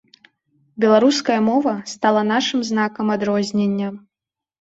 Беларуская мова стала нашым знакам адрознення.